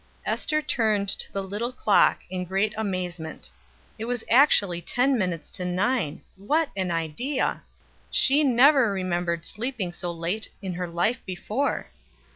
Ester turned to the little clock in great amazement; it was actually ten minutes to nine! What an idea! She never remembered sleeping so late in her life before.